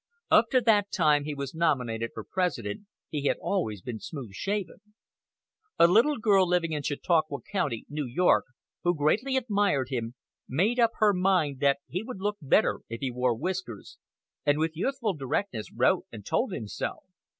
Up to the time he was nominated for President he had always been smooth shaven. A little girl living in Chautauqua County, New York, who greatly admired him, made up her mind that he would look better if he wore whiskers, and with youthful directness wrote and told him so.